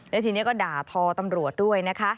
และทีนี้ก็ด่าทอตำรวจด้วยนะคะ